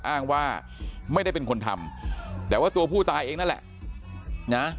อ้างว่าไม่ได้เป็นคนทำแต่ว่าตัวผู้ตายเองนั่นแหละนะ